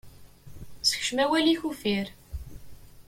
Sekcem awal-ik uffir.